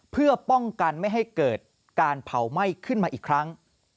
เพื่อป้องกันไม่ให้เกิดการเผาไหม้ขึ้นมาอีกครั้ง